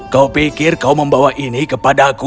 kau pikir kau membawa ini kepada aku